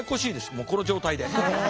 もうこの状態で。